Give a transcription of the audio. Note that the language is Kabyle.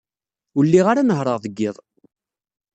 Ur lliɣ ara nehhṛeɣ deg yiḍ.